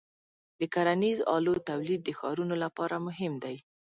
د کرنیزو آلو تولید د ښارونو لپاره مهم دی.